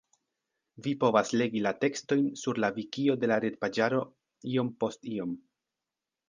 Vi povas legi la tekstojn sur la Vikio de la retpaĝaro Iom post iom.